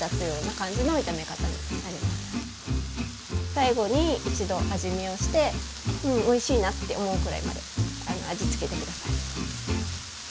最後に一度味見をして「うんおいしいな」って思うくらいまで味つけて下さい。